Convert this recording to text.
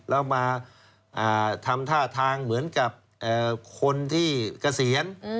แล้วมาทำท่าทางเหมือนกับคนที่เกษียณ